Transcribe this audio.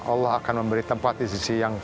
allah akan memberi tempat di sisi yang